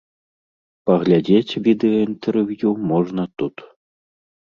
Паглядзець відэаінтэрв'ю можна тут.